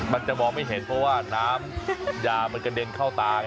มันจะมองไม่เห็นเพราะว่าน้ำยามันกระเด็นเข้าตาไง